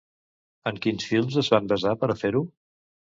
En quins films es van basar per a fer-ho?